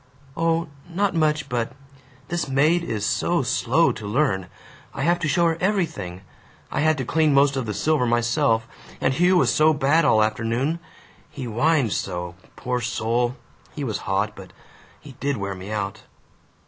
"Oh, not much, but This maid is SO slow to learn. I have to show her everything. I had to clean most of the silver myself. And Hugh was so bad all afternoon. He whined so. Poor soul, he was hot, but he did wear me out."